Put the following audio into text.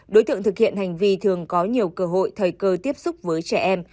đối tượng thực hiện hành vi thường có nhiều cơ hội thời cơ tiếp xúc với trẻ em